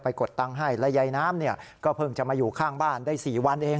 กดตังค์ให้และยายน้ำเนี่ยก็เพิ่งจะมาอยู่ข้างบ้านได้๔วันเอง